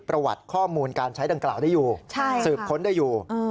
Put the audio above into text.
ประวัติข้อมูลการใช้ดังกล่าวได้อยู่สืบค้นได้อยู่